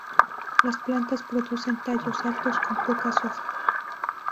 Las plantas producen tallos altos con pocas hojas.